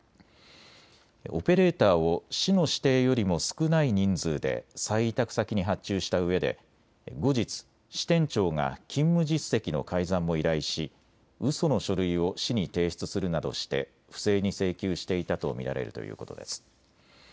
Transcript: オペレーターを市の指定よりも少ない人数で再委託先に発注したうえで後日、支店長が勤務実績の改ざんも依頼し、うその書類を市に提出するなどして不正に請求していたと見られるということです。